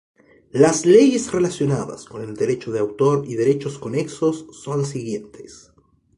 Las leyes relacionadas con el derecho de autor y derechos conexos son siguientes.